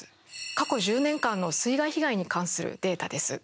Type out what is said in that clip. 過去１０年間の水害被害に関するデータです。